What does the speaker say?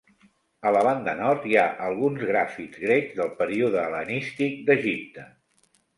A la banda nord hi ha alguns grafits grecs del període hel·lenístic d'Egipte.